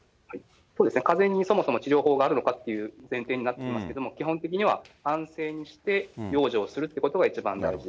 かぜにそもそも治療法があるのかっていう前提になってきますけれども、基本的には安静にして、養生するということが一番大事。